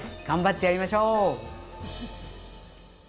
頑張ってやりましょう！